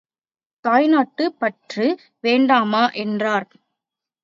தாய்நாட்டுப் பற்று வேண்டாமா? என்றார்.